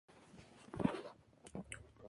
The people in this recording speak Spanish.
Es una de las dos únicas que no tiene salida al mar.